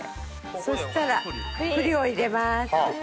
そしたら栗を入れます。